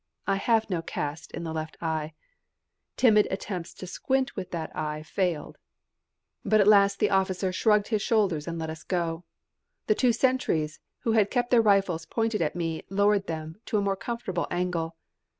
I have no cast in the left eye. Timid attempts to squint with that eye failed. But at last the officer shrugged his shoulders and let us go. The two sentries who had kept their rifles pointed at me lowered them to a more comfortable angle.